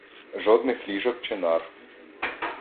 Жодних ліжок чи нар.